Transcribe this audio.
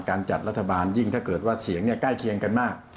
จัดรัฐบาลยิ่งถ้าเกิดว่าเสียงใกล้เคียงกันมาก